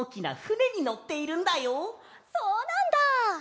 そうなんだ！